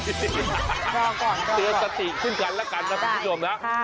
รอก่อนรอก่อนเตือนตะติขึ้นกันแล้วกันนะครับพี่โดมนะค่ะ